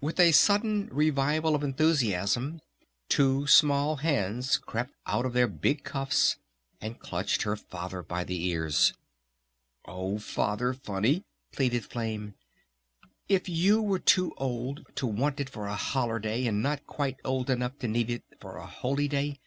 With a sudden revival of enthusiasm two small hands crept out of their big cuffs and clutched her Father by the ears. "Oh Father Funny!" pleaded Flame. "If you were too old to want it for a 'holler' day and not quite old enough to need it for a holy day